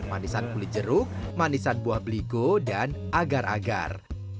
manisan kulit jeruk manisan buah beligo dan agar agar